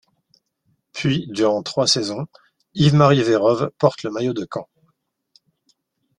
Puis durant trois saisons, Yves-Marie Vérove porte le maillot de Caen.